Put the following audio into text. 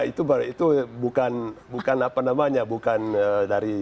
itu tidak itu bukan apa namanya bukan dari